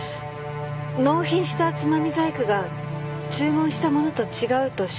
納品したつまみ細工が注文したものと違うと叱られて。